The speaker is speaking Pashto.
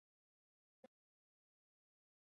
که په ټوپک ډیر غوړي وي نو کنګل کیږي